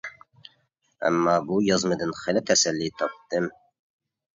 ئەمما بۇ يازمىدىن خېلى تەسەللى تاپتىم.